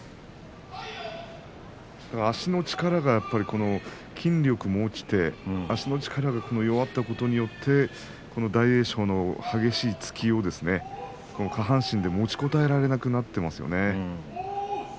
足の力が筋力も落ちて足の力が弱ったことによって大栄翔の激しい突きを下半身で持ちこたえられなくなっていますよね。